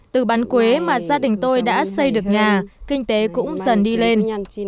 từ bán quế mà gia đình tôi đã xây được nhà kinh tế cũng dần đi lên